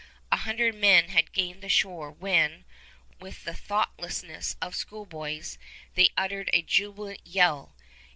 A hundred men had gained the shore when, with the thoughtlessness of schoolboys, they uttered a jubilant yell.